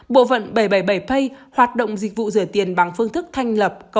bộ phận bảy trăm bảy mươi bảy pay hoạt động dịch vụ rửa tiền bằng phương thức thanh lập